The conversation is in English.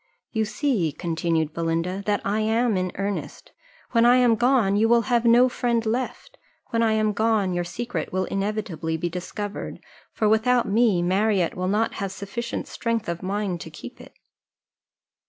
"You see," continued Belinda, "that I am in earnest: when I am gone, you will have no friend left; when I am gone, your secret will inevitably be discovered; for without me, Marriott will not have sufficient strength of mind to keep it."